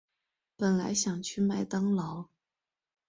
本来想去麦当劳